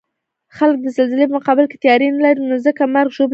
خلک د زلزلې په مقابل کې تیاری نلري، نو ځکه مرګ ژوبله زیاته وی